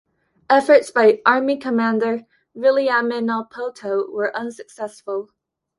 Efforts by Army Commander Viliame Naupoto were unsuccessful.